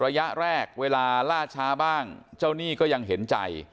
ระยะแรกเวลาล่าช้าบ้างเจ้าหนี้ก็ยังเห็นใจ